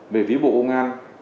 về phía bộ công an